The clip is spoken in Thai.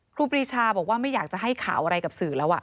ครูปรีชาบอกว่าไม่อยากจะให้ข่าวอะไรกับสื่อแล้ว